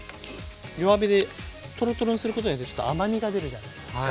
弱火でトロトロにすることによってちょっと甘みが出るじゃないですか。